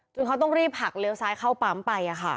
จึงเขาต้องรีบหักเลวซ้ายเข้าปั๊มไปอะค่ะ